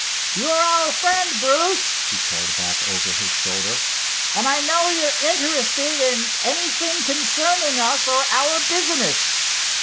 "You're our friend, Bruce," he called back over his shoulder, "and I know you're interested in anything concerning us or our business.